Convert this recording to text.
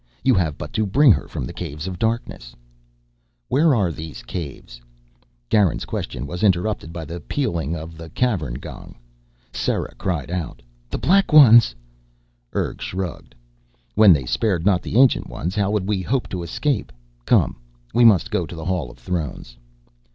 You have but to bring her from the Caves of Darkness " "Where are these Caves " Garin's question was interrupted by the pealing of the Cavern gong. Sera cried out: "The Black Ones!" Urg shrugged. "When they spared not the Ancient Ones how could we hope to escape? Come, we must go to the Hall of Thrones."